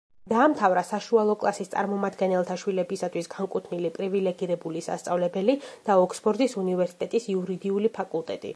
დაამთავრა საშუალო კლასის წარმომადგენელთა შვილებისათვის განკუთვნილი პრივილეგირებული სასწავლებელი და ოქსფორდის უნივერსიტეტის იურიდიული ფაკულტეტი.